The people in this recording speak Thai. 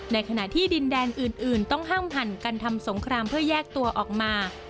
ในขณะที่ดินแดนอื่นต้องห้ามผ่านการทำสงครามเพื่อแยกตัวออกมา